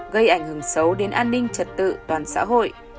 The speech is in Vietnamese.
gây ảnh hưởng xấu đến an ninh trật tự toàn xã hội